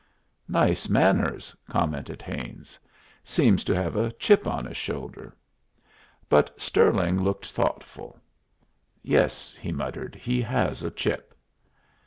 "Nice manners," commented Haines. "Seems to have a chip on his shoulder." But Stirling looked thoughtful. "Yes," he muttered, "he has a chip."